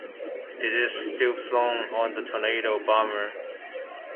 It is still flown on the Tornado bomber.